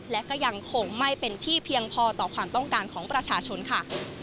และก็ยังคงไม่เป็นที่เพียงพอต่อความต้องการของประชาชนค่ะ